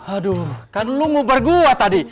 aduh kan lu ngubar gua tadi